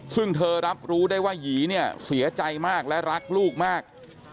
ซึ่งเธอรับรู้ได้ว่าหยีเนี่ยเสียใจมากและรักลูกมาก